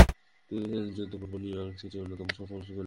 তিনি ছিলেন যুদ্ধপূর্ব নিউইয়র্ক সিটির অন্যতম সফল গণিকা।